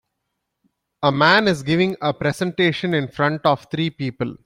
A man is giving a presentation in front of three people.